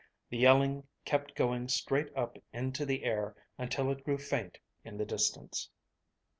The yelling kept going straight up into the air until it grew faint in the distance.